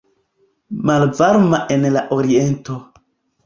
Malvarma en la oriento.